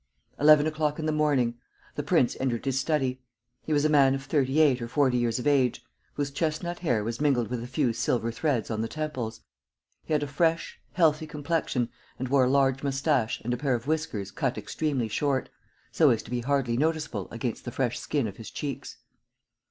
Eleven o'clock in the morning. The prince entered his study. He was a man of thirty eight or forty years of age, whose chestnut hair was mingled with a few silver threads on the temples. He had a fresh, healthy complexion and wore a large mustache and a pair of whiskers cut extremely short, so as to be hardly noticeable against the fresh skin of his cheeks.